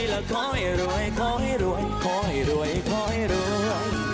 และขอให้รวยขอให้รวยขอให้รวยขอให้รวย